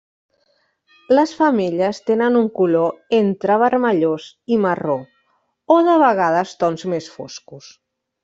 Les femelles tenen un color entre vermellós i marró, o de vegades tons més foscos.